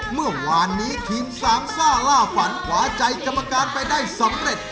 เมื่อวานนี้ทีม๓ซ่าล่าฝันขว่าใจตำรวจการไปได้สำเร็จ